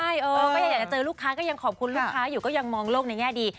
ใช่เออก็ยังอยากจะเจอลูกค้าก็ยังขอบคุณลูกค้าอยู่ก็ยังมองโลกในแง่ดี